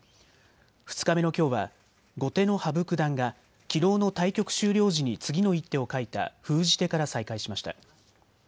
２日目のきょうは後手の羽生九段がきのうの対局終了時に次の１手を書いた封じ手から再開しました。